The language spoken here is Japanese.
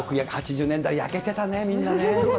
８０年代、焼けてたね、みんなね。